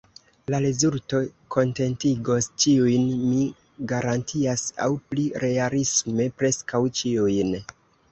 La rezulto kontentigos ĉiujn, mi garantias; aŭ pli realisme, preskaŭ ĉiujn.